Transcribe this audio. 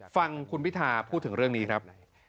ฟังคุณพิธาพูดถึงเรื่องนี้ครับ